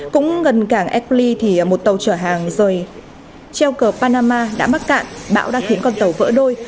cũng gần cảng airlin thì một tàu chở hàng rời treo cờ panama đã mắc cạn bão đã khiến con tàu vỡ đôi